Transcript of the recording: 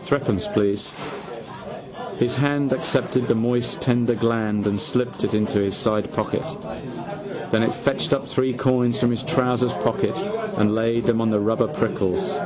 —Threepence, please. His hand accepted the moist tender gland and slid it into a sidepocket. Then it fetched up three coins from his trousers' pocket and laid them on the rubber prickles.